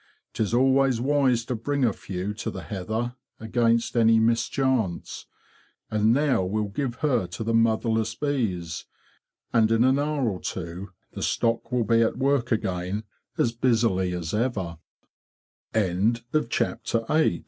'''Tis always wise to bring a few to the heather, against any mis chance. And now we'll give her to the motherless bees; and in an hour or two the stock will be at work again a